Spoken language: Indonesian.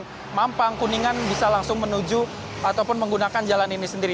dari mampang kuningan bisa langsung menuju ataupun menggunakan jalan ini sendiri